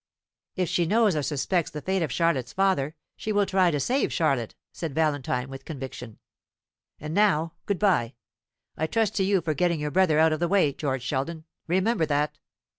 "If she knows or suspects the fate of Charlotte's father, she will try to save Charlotte," said Valentine, with conviction. "And now, good bye! I trust to you for getting your brother out of the way, George Sheldon; remember that."